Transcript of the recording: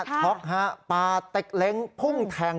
ช็อกฮะปาเต็กเล้งพุ่งแทง